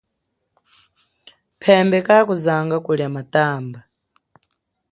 Phembe kakuzanga kulia matamba.